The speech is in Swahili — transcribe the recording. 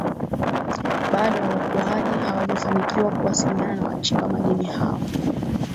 bado waokoaji hawajafanikiwa kuwasiliana na wachimba madini hao